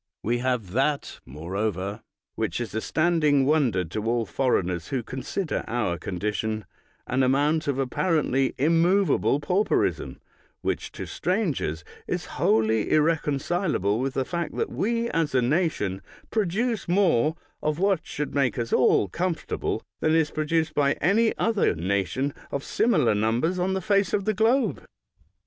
We have that, moreover, which is a standing wonder to all foreigners who con sider our condition — an amount of apparently immovable pauperism which to strangers is wholly irreconcilable with the fact that we, as a nation, produce more of what should make us all comfortable than is produced by any other nation of similar numbers on the face of the globe.